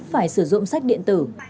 phải sử dụng sách điện tử